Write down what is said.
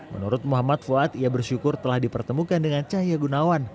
menurut muhammad fuad ia bersyukur telah dipertemukan dengan cahaya gunawan